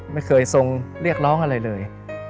ไม่เคยทรงเรียกร้องอะไรเลย